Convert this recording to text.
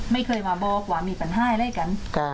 ไม่เคยมาบอกว่ามีปัญหาอะไรกัน